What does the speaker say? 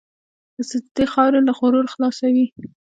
د سجدې خاورې له غرور خلاصوي.